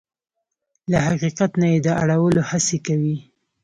له حقیقت نه يې د اړولو هڅې کوي.